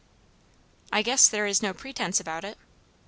"I guess there is no pretence about it."